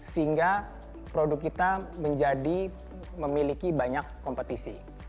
sehingga produk kita menjadi memiliki banyak kompetisi